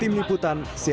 tim liputan cnn indonesia